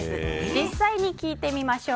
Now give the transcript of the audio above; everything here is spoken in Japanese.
実際に聞いてみましょう。